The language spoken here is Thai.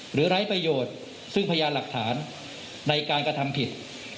ไร้ประโยชน์ซึ่งพยานหลักฐานในการกระทำผิด